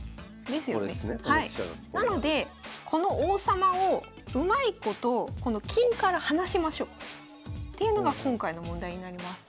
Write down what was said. なのでこの王様をうまいことこの金から離しましょうっていうのが今回の問題になります。